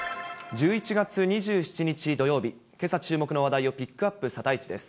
１１月２７日土曜日、けさ注目の話題をピックアップ、サタイチです。